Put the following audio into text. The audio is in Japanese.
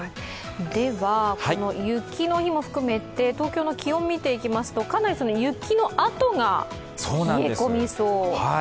この雪の日も含めて東京の気温を見ていきますとかなり雪のあとが冷え込みそう。